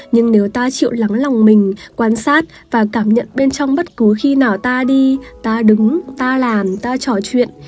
nhưng nếu ta chịu lắng lòng mình quan sát và cảm nhận bên trong bất cứ khi nào ta đi ta đứng ta làn ta trò chuyện